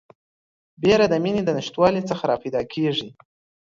بیره د میني د نشتوالي څخه راپیدا کیږي